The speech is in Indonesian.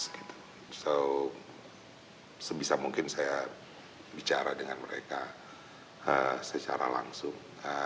jadi sebisa mungkin saya bicara dengan mereka secara langsung